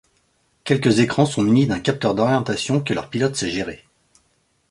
Quelques écrans sont munis d'un capteur d'orientation que leur pilote sait gérer.